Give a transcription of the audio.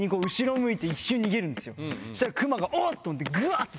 そしたら熊がおっ！と思って。